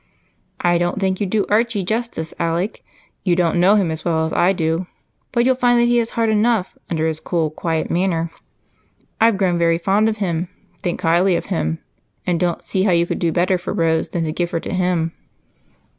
"I don't think you do Archie justice, Alec. You don't know him as well as I do, but you'll find that he has heart enough under his cool, quiet manner. I've grown very fond of him, think highly of him, and don't see how you could do better for Rose than to give her to him."